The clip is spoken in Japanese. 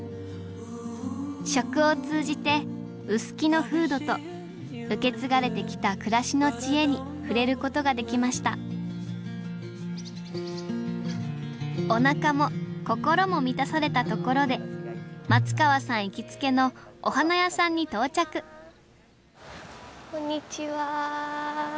食を通じて臼杵の風土と受け継がれてきた暮らしの知恵に触れることができましたおなかも心も満たされたところで松川さん行きつけのお花屋さんに到着こんにちは。